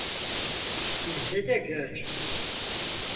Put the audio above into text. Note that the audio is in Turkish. İzle de gör.